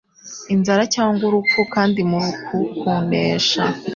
inzara cyangwa urupfu. Kandi muri uku kunesha